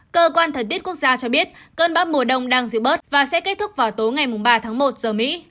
cơ quan thời tiết quốc gia cho biết cơn bão mùa đông đang giữ bớt và sẽ kết thúc vào tối ngày ba tháng một giờ mỹ